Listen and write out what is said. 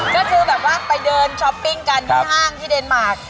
ก็คือแบบว่าไปเดินช้อปปิ้งกันที่ห้างที่เดนมาร์ค